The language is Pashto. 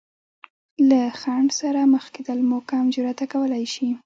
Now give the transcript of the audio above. له خنډ سره مخ کېدل مو کم جراته کولی شي.